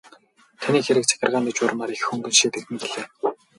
Таны хэрэг захиргааны журмаар их хөнгөн шийдэгдэнэ гэлээ.